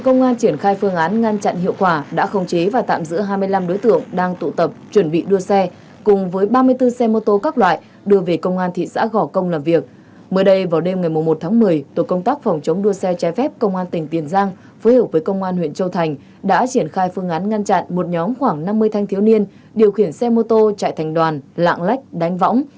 nhóm khoảng năm mươi thanh thiếu niên điều khiển xe mô tô chạy thành đoàn lạng lách đánh võng